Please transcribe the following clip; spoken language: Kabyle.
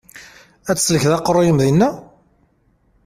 Ad tsellkeḍ aqeṛṛu-yim dinna?